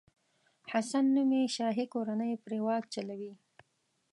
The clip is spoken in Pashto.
حسن نومي شاهي کورنۍ پرې واک چلوي.